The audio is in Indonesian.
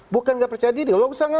bukan nggak percaya diri